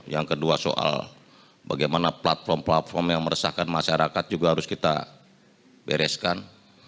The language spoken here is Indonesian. yang kedua soal bagaimana platform platform yang meresahkan masyarakat juga harus kita bereskan